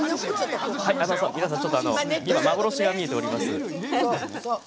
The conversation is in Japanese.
皆さん、今まぼろしが見えております。